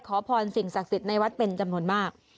ขอพรสิ่งศักดิ์สิทธิ์ในวัดเป็นจำนวนมาก